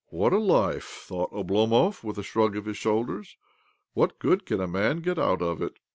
" What a life !" thought Oblomov, with a shrug of his shoulders. " What good can a man get out of it?